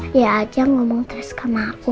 ya aja ngomong terus sama aku